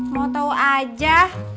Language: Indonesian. mau tau aja